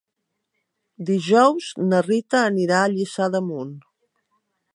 Dijous na Rita anirà a Lliçà d'Amunt.